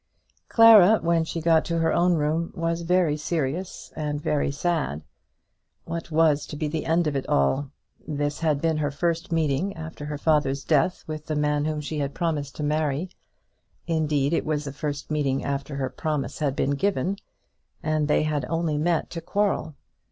Clara, when she got to her own room, was very serious and very sad. What was to be the end of it all? This had been her first meeting after her father's death with the man whom she had promised to marry; indeed, it was the first meeting after her promise had been given; and they had only met to quarrel.